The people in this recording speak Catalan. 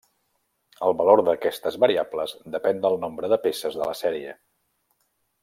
El valor d'aquestes variables depèn del nombre de peces de la sèrie.